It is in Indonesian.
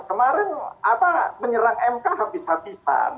kemarin menyerang mk habis habisan